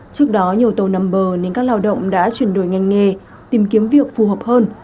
trước đó nhiều tàu nằm bờ nên các lao động đã chuyển đổi ngành nghề tìm kiếm việc phù hợp hơn